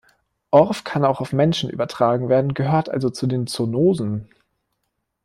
Orf kann auch auf Menschen übertragen werden, gehört also zu den Zoonosen.